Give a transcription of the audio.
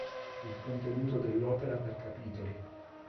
Il contenuto dell'opera per capitoli.